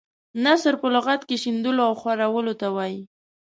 نثر په لغت کې شیندلو او خورولو ته وايي.